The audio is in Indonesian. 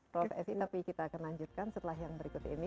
tapi kita akan lanjutkan setelah yang berikut ini